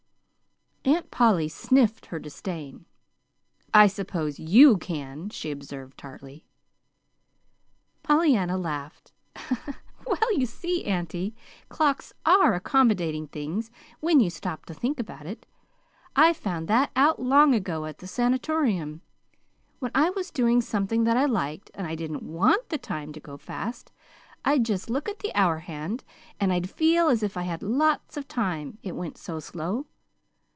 Aunt Polly sniffed her disdain. "I suppose YOU can," she observed tartly. Pollyanna laughed. "Well, you see, auntie, clocks ARE accommodating things, when you stop to think about it. I found that out long ago at the Sanatorium. When I was doing something that I liked, and I didn't WANT the time to go fast, I'd just look at the hour hand, and I'd feel as if I had lots of time it went so slow.